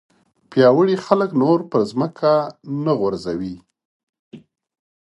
پیاوړي خلک نور په ځمکه نه غورځوي.